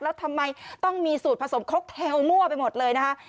แล้วทำไมต้องมีสูตรผสมครกเทลมั่วไปหมดเลยนะคะ